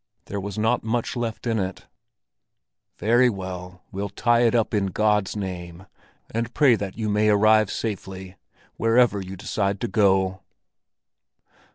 There was not much left in it. "Very well, then we'll tie it up in God's name, and pray that, you may arrive safely—wherever you decide to go!"